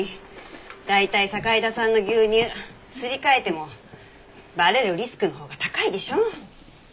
大体堺田さんの牛乳すり替えてもバレるリスクのほうが高いでしょ。